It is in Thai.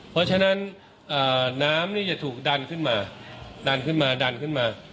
เพราะฉะนั้นน้ำนี่จะถูกดันขึ้นมาดันขึ้นมาดันขึ้นมา